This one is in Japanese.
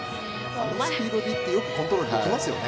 あのスピードでよくコントロールできますよね。